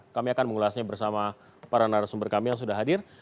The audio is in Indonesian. kami akan mengulasnya bersama para narasumber kami yang sudah hadir